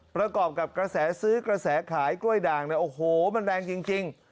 ประกอบกับกระแสซื้อกระแสขายกล้วยด่างเนี่ยโอ้โหมันแรงจริง